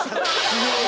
強い！